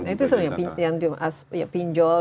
itu sebenarnya pinjol